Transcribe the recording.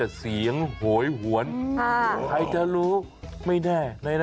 เรานี่ก็เป็นหุทสโลบายจริง